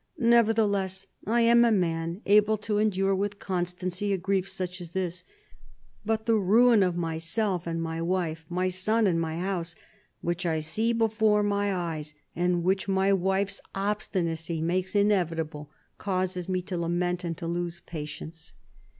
Never theless, I am a man able to endure with constancy a grief such as this; but the ruin of myself and my wife, my son and my house, which I see before my eyes, and which my wife's obstinacy makes inevitable, causes me to lament and to lose patience."